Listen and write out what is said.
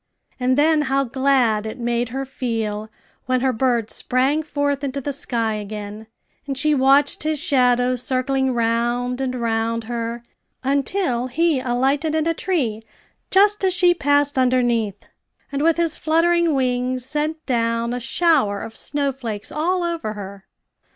And then how glad it made her feel when her bird sprang forth into the sky again, and she watched his shadow circling round and round her, until he alighted in a tree just as she passed underneath, and, with his fluttering wings sent down a shower of snow flakes all over her.